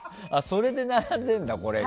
それで並んでるんだ、これが。